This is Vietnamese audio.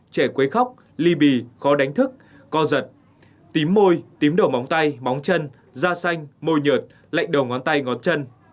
trẻ quấy khóc ly bì khó đánh thức co giật tím môi tím đầu móng tay móng chân da xanh môi nhợt lệnh đầu ngón tay ngón chân